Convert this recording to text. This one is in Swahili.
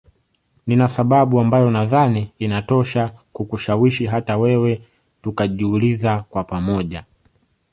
Nina sababu ambayo nadhani inatosha kukushawishi hata wewe tukajiuliza kwa pamoja